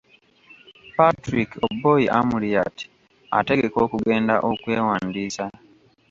Patrick Oboi Amuriat ategeka okugenda okwewandiisa.